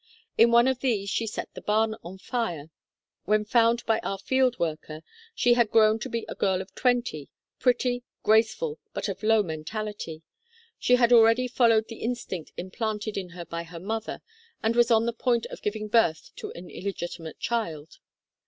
In one of these she set the barn on fire. When found by our field worker, she had grown to be a girl of twenty, pretty, graceful, but of low mentality. She had already followed the instinct implanted in her by her mother, and was on the point of giving birth to an illegitimate child.